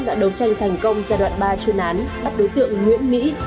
đã đấu tranh thành công giai đoạn ba chuyên án bắt đối tượng nguyễn mỹ